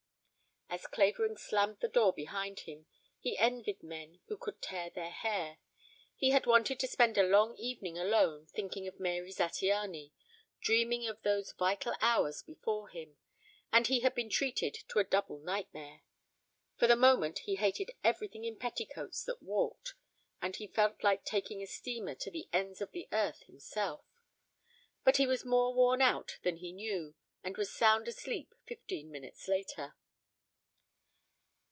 As Clavering slammed the door behind them he envied men who could tear their hair. He had wanted to spend a long evening alone thinking of Mary Zattiany, dreaming of those vital hours before him, and he had been treated to a double nightmare. For the moment he hated everything in petticoats that walked, and he felt like taking a steamer to the ends of the earth himself. But he was more worn out than he knew and was sound asleep fifteen minutes later.